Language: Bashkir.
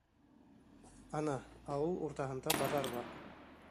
Ана, ауыл уртаһында баҙар бар.